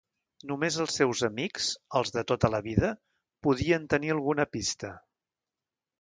Només els seus amics, els de tota la vida, podien tenir alguna pista.